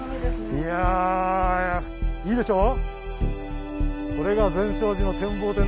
いやいいでしょう？